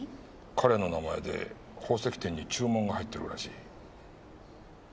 彼の名前で宝石店に注文が入ってるらしい。